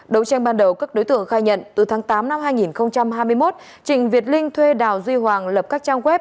đấu tranh ban đầu các đối tượng khai nhận từ tháng tám năm hai nghìn hai mươi một trịnh việt linh thuê đào duy hoàng lập các trang web